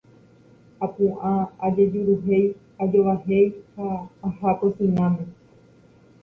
apu'ã ajejuruhéi, ajovahéi ha aha kosináme